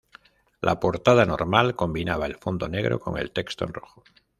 La portada "normal" combinaba el fondo negro con el texto en rojo.